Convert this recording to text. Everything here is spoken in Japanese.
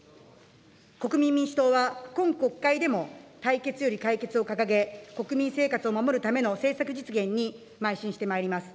国民民主党は、今国会でも対決より解決を掲げ、国民生活を守るための政策実現にまい進してまいります。